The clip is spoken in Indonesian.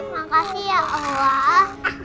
makasih ya allah